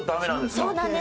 そうなんです。